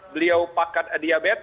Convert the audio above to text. beliau pakat diabet